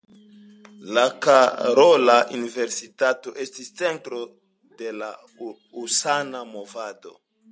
La Karola Universitato estis centro de la husana movado.